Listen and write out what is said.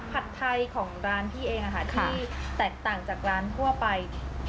ผัดไทยของร้านพี่เองที่แตกต่างจากร้านทั่วไป